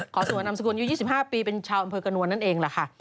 สัวนามสกุลอายุ๒๕ปีเป็นชาวอำเภอกระนวลนั่นเองแหละค่ะ